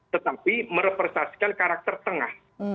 tetapi merepresentasikan karakter tengah